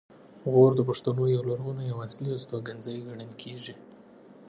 غور د پښتنو یو لرغونی او اصلي استوګنځی ګڼل کیږي